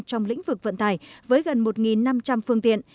trong lĩnh vực vận tải với gần một năm trăm linh phương tiện